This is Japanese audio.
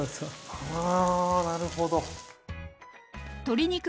はあなるほど。